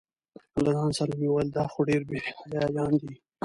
له ځان سره مې ویل دا خو ډېر بې حیایان دي.